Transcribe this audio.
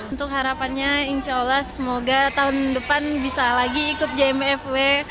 untuk harapannya insya allah semoga tahun depan bisa lagi ikut jmfw